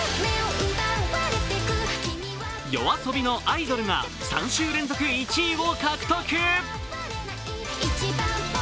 ＹＯＡＳＯＢＩの「アイドル」が３週連続１位を獲得。